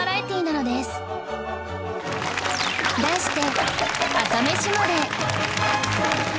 題して